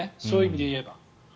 そういう意味で言えば。